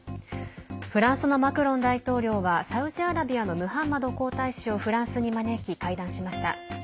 フランスのマクロン大統領はサウジアラビアのムハンマド皇太子をフランスに招き、会談しました。